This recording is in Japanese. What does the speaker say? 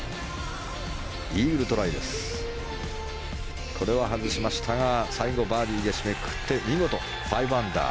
イーグルトライは外しましたが最後、バーディーで締めくくって見事５アンダー。